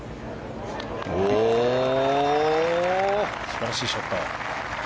素晴らしいショット。